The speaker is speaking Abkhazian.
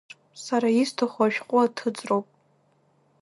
Сара исҭаху ашәҟәы аҭыҵроуп.